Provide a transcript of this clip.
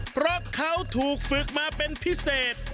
เพราะเขาถูกฝึกมาเป็นพิเศษ